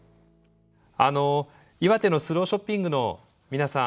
あの岩手のスローショッピングの皆さん